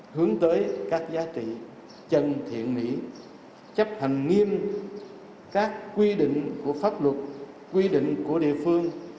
hướng tới các giá trị chân thiện mỹ chấp hành nghiêm các quy định của pháp luật quy định của địa phương